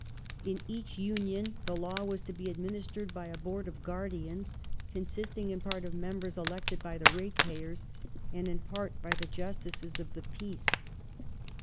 In each Union the law was to be administered by a Board of Guardians, consisting in part of members elected by the ratepayers and in part by the Justices of the Peace.